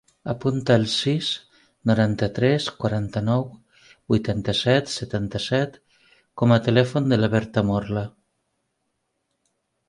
Apunta el sis, noranta-tres, quaranta-nou, vuitanta-set, setanta-set com a telèfon de la Berta Morla.